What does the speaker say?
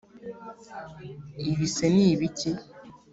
ibise ni ibiki